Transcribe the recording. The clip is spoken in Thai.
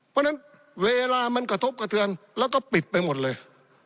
เพราะฉะนั้นเวลามันกระทบกระเทือนแล้วก็ปิดไปหมดเลย